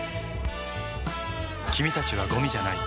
君たちはごみじゃない。